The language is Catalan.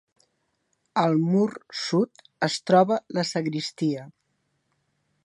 Al mur sud es troba la sagristia.